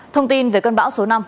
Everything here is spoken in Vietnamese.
thông tin về cơn bão số năm